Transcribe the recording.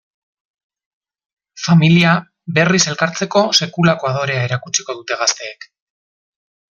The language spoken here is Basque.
Familia berriz elkartzeko sekulako adorea erakutsiko dute gazteek.